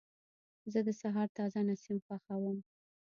زه د سهار تازه نسیم خوښوم.